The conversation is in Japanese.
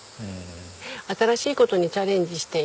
新しい事にチャレンジしていく。